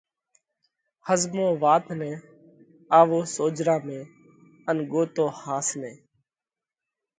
ۿزمو وات نئہ، آوو سوجھرا ۾ ان ڳوتو ۿاس نئہ!